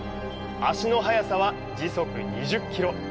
足の速さは時速２０キロ。